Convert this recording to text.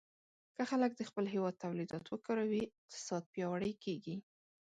که خلک د خپل هېواد تولیدات وکاروي، اقتصاد پیاوړی کېږي.